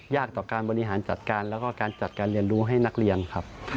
ต่อการบริหารจัดการแล้วก็การจัดการเรียนรู้ให้นักเรียนครับ